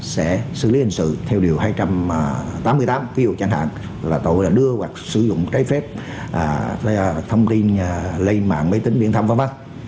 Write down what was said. sẽ xử lý hình sự theo điều hai trăm tám mươi tám ví dụ chẳng hạn là tội là đưa hoặc sử dụng trái phép thông tin lên mạng máy tính viễn thông v v